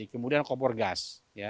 kemudian kompor gas